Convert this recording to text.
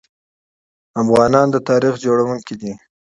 افغانان د تاریخ جوړونکي دي.